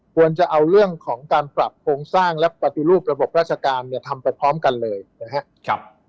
ควรจะเอาเรื่องของการปรับโครงสร้างและปฏิรูประบบราชการเนี่ยทำไปพร้อมกันเลยนะครับ